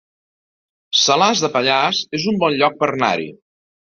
Salàs de Pallars es un bon lloc per anar-hi